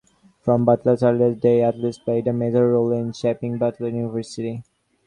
From Butler's earliest days, athletics played a major role in shaping Butler University.